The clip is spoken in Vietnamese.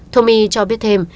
tommy cho biết thêm